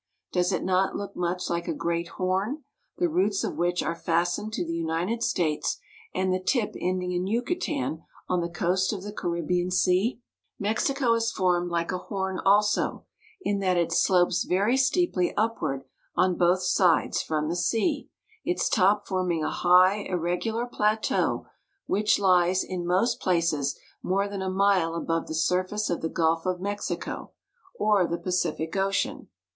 Does it not look much like a great horn, the roots of which are fast ened to the United States, and the tip ending in Yucatan on the coast of the Caribbean Sea? THE ASCENT FROM THE COAST. 331 Mexico is formed like a horn also, in that it slopes very steeply upward on both sides from the sea, its top forming a high, irregular plateau, which lies, in most places, more than a mile above the surface of the Gulf of Mexico or the Pacific Ocean.